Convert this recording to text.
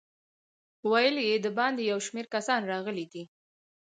ویل یې د باندې یو شمېر کسان راغلي دي.